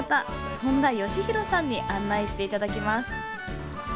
本多良広さんに案内していただきます。